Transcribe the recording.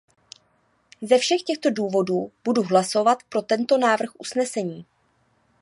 Ze všech těchto důvodů budu hlasovat pro tento návrh usnesení.